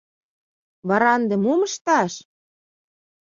Вара ынде мом ышташ?